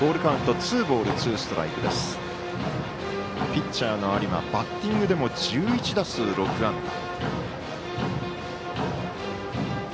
ピッチャーの有馬バッティングでも１１打数６安打。